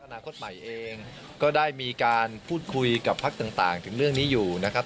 นาคตใหม่เองก็ได้มีการพูดคุยกับพักต่างถึงเรื่องนี้อยู่นะครับ